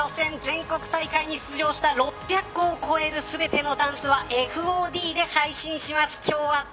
ダンススタジアムの予選全国大会に出場した６００校を超える全てのダンスはＦＯＤで配信します。